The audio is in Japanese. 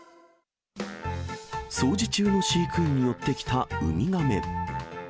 掃除中の飼育員に寄ってきたウミガメ。